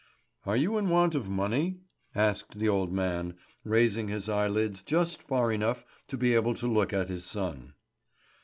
"Are you in want of money?" asked the old man, raising his eyelids just far enough to be able to look at his son.